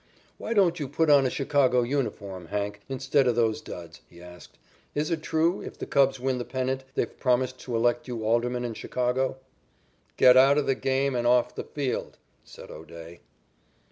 "Why don't you put on a Chicago uniform, 'Hank', instead of those duds?" he asked. "Is it true, if the Cubs win the pennant, they've promised to elect you alderman in Chicago?" "Get out of the game and off the field," said O'Day.